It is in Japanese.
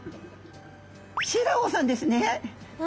「シイラ夫さんですね」。